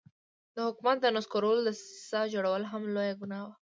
د حکومت د نسکورولو دسیسه جوړول هم لویه ګناه وه.